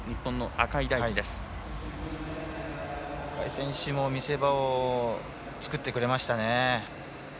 赤井選手も見せ場を作ってくれましたね。